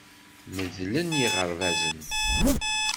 Medlen yiɣerbazen.